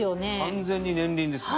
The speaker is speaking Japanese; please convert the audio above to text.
完全に年輪ですね。